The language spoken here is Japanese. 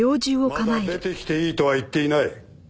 まだ出てきていいとは言っていない。